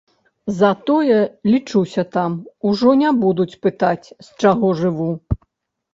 Затое лічуся там, ужо не будуць пытаць, з чаго жыву.